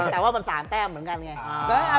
แต่ว่ามัน๓แต้มเหมือนกันไง